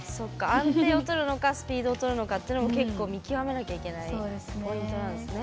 安定を取るのかスピードを取るのかというのも結構見極めなきゃいけないポイントなんですね。